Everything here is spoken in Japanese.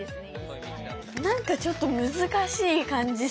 何かちょっと難しい感じする。